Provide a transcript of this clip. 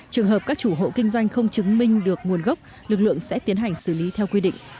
trường hợp các chủ hộ kinh doanh không chứng minh được nguồn gốc lực lượng sẽ tiến hành xử lý theo quy định